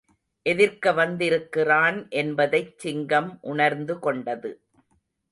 எதிர்க்க வந்திருக்கிறான் என்பதைச் சிங்கம் உணர்ந்துகொண்டது.